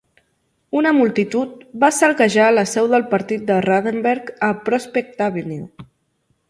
Una multitud va saquejar la seu del partit de Ruthenberg a Prospect Avenue.